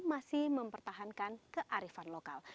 masih mempertahankan kearifan lokal